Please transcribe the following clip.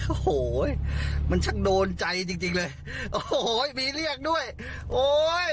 โอ้โหมันช่างโดนใจจริงจริงเลยโอ้โหมีเรียกด้วยโอ้ย